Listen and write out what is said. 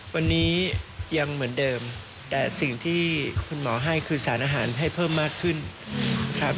วันนี้ยังเหมือนเดิมแต่สิ่งที่คุณหมอให้คือสารอาหารให้เพิ่มมากขึ้นครับ